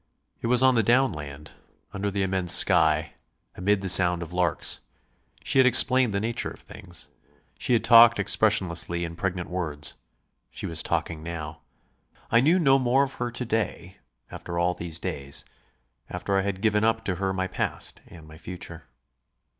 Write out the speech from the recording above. It was on the downland, under the immense sky, amid the sound of larks. She had explained the nature of things. She had talked expressionlessly in pregnant words; she was talking now. I knew no more of her to day, after all these days, after I had given up to her my past and my future.